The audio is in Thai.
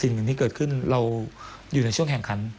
สิ่งที่เกิดขึ้นเราอยู่ในช่วงแข่งขัน